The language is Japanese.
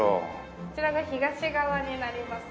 こちらが東側になりますね。